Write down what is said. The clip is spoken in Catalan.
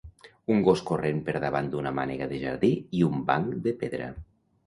Un gos corrent per davant d'una mànega de jardí i un banc de pedra.